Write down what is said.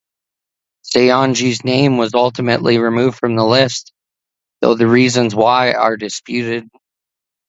Saionji's name was ultimately removed from the list, though the reasons why are disputed.